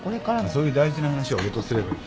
そういう大事な話は俺とすればいい。